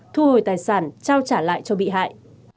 thu hồi tài sản trao trả lại cho bị hại